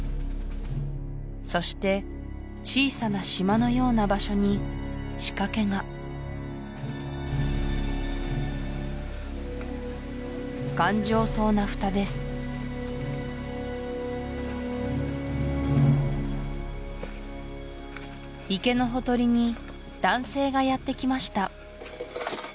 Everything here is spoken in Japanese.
そして小さな島のような場所に仕掛けが頑丈そうなフタです池のほとりに男性がやってきました